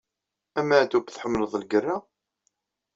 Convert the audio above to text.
A Maɛṭub tḥemmleḍ lgerra?